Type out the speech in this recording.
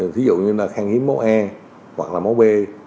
ví dụ như là khang hiếm máu e hoặc là máu b